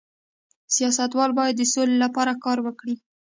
سیاستوال باید د سولې لپاره کار وکړي